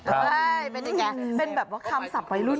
เป็นยังไงเป็นแบบว่าคำศัพท์วัยรุ่น